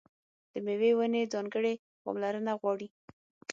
د مېوې ونې ځانګړې پاملرنه غواړي.